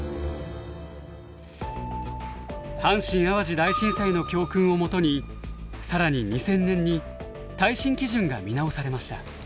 阪神・淡路大震災の教訓を基に更に２０００年に耐震基準が見直されました。